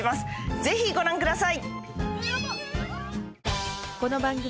ぜひご覧ください！